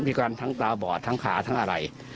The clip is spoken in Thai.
มีการทั้งตาบอดทั้งขาทั้งอะไร